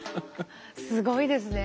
すごいですね。